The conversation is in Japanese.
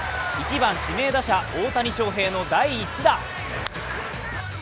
１番・指名打者、大谷翔平の第１打。